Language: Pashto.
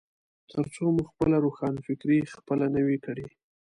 ترڅو مو خپله روښانفکري خپله نه وي کړي.